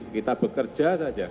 kita bekerja saja